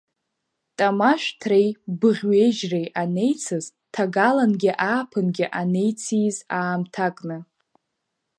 Тамашәҭреи быӷьҩежьреи анеицыз, ҭагалангьы ааԥынгьы анеициз аамҭакны.